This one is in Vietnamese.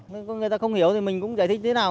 người ta không hiểu thì mình cũng giải thích thế nào